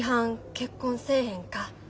結婚せえへんか」。